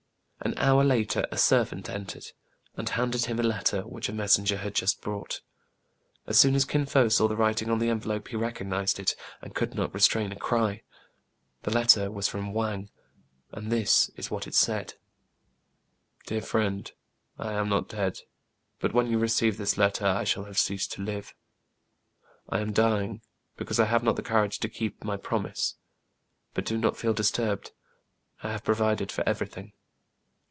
An hour later a servant entered, and handed him a letter, which a messenger had just brought. As soon as Kin Fo saw the writing on the envelope, he recognized it, and could not restrain a cry. The letter was from Wang, and this is what it said :—" Dear Friend, — I am not dead ; but when you receive this letter I shall have ceased to live. " I am dying, because I have not the courage to keep my promise. But do not feel disturbed: I have provided for every thing.